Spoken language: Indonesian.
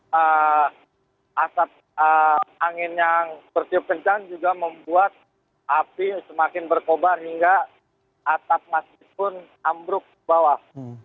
dan asap angin yang bersiup kencang juga membuat api semakin berkobar hingga atap masjid pun ambruk bawah